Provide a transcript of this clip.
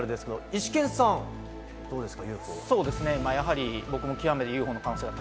イシケンさん、どうですか？